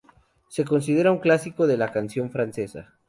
Se considera un clásico de la canción francesa.